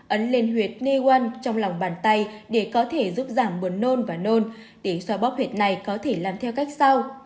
ấn lên huyệt n một trong lòng bàn tay để có thể giúp giảm buồn nôn và nôn để xoa bóp huyệt này có thể làm theo cách sau